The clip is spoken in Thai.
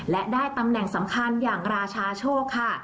และได้ตำแหน่งสำคัญอย่างราชาโชคค่ะ